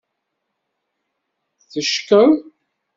Teckeḍ.